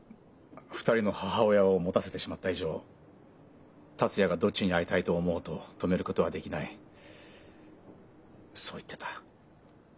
２人の母親を持たせてしまった以上達也がどっちに会いたいと思おうと止めることはできないそう言ってた。